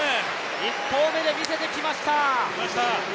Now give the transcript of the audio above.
１投目で見せてきました。